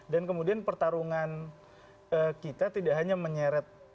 dan kemudian pertarungan kita tidak hanya menyeret